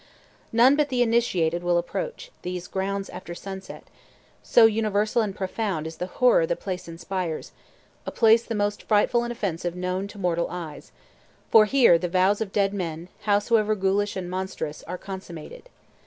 None but the initiated will approach, these grounds after sunset, so universal and profound is the horror the place inspires, a place the most frightful and offensive known to mortal eyes; for here the vows of dead men, howsoever ghoulish and monstrous, are consummated.